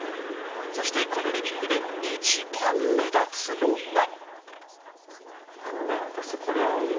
そして、このリビングで一番目立つのが。